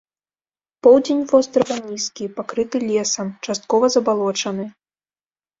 Поўдзень вострава нізкі, пакрыты лесам, часткова забалочаны.